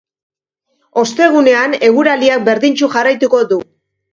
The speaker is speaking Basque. Ostegunean, eguraldiak berdintsu jarraituko du.